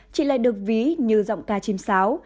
chỉ lại được ví như giọng ca chim sáo